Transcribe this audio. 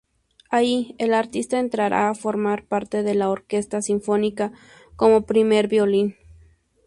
Allí, el artista, entrará a formar parte de la Orquesta Sinfónica como primer violín.